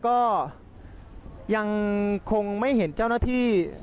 ก็ยังคงไม่เห็นเจ้าหน้าที่